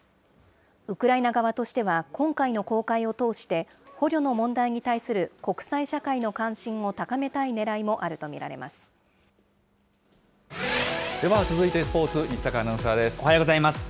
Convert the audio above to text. ウクライナ側としては、今回の公開を通して、捕虜の問題に対する国際社会の関心を高めたいねらいもあると見らでは、続いてスポーツ、おはようございます。